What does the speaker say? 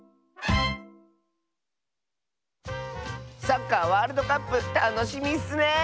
サッカーワールドカップたのしみッスね！